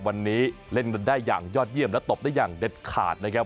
วันนี้เล่นกันได้อย่างยอดเยี่ยมและตบได้อย่างเด็ดขาดนะครับ